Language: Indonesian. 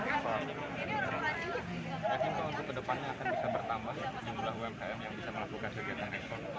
mungkin untuk kedepannya akan bisa bertambah jumlah umkm yang bisa melakukan segitiga ekspor